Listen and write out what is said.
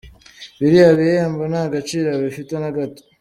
Biriya bihembo ntagaciro bifite na gato.